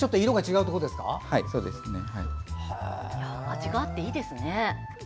味があっていいですね。